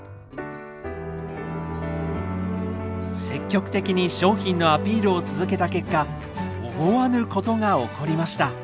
積極的に商品のアピールを続けた結果思わぬことが起こりました。